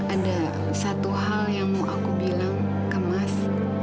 ada satu hal yang mau aku bilang ke mas